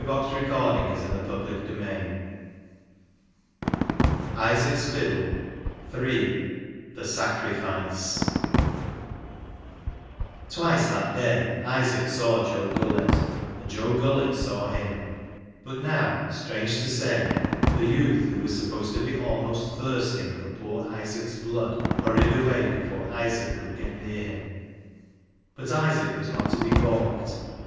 Isaac's Fiddle III The Sacrifice 30» Isaac's Fiddle III The Sacrifice Twice that day Isaac saw Joe GuUett, and Joe saw him, but now, strange to say, the youth who was supposed to be almost thirsting for poor Isaac's blood hurried away before Isaac could get near him. But Isaac was not to be baulked.